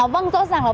vâng rõ ràng là